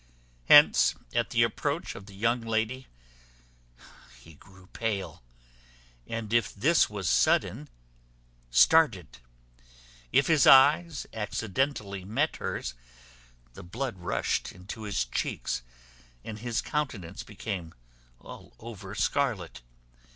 Hence, at the approach of the young lady, he grew pale; and if this was sudden, started. If his eyes accidentally met hers, the blood rushed into his cheeks, and his countenance became all over scarlet.